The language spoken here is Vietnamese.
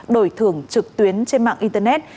đổi thưởng trực tuyến trên mạng internet